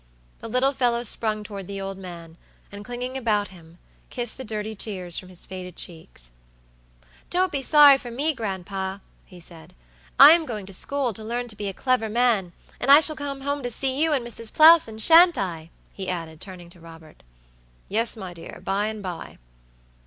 The little fellow sprung toward the old man, and clinging about him, kissed the dirty tears from his faded cheeks. "Don't be sorry for me, gran'pa," he said; "I am going to school to learn to be a clever man, and I shall come home to see you and Mrs. Plowson, sha'n't I?" he added, turning to Robert. "Yes, my dear, by and by."